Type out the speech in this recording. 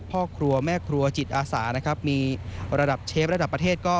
พ่อครัวแม่ครัวจิตอาสานะครับมีระดับเชฟระดับประเทศก็